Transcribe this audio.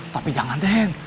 tapi jangan den